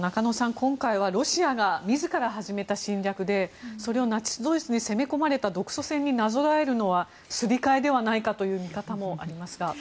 今回はロシアが自ら始めた侵略でそれをナチス・ドイツに攻め込まれた独ソ戦になぞらえるのはすり替えではないかという見方もありますが。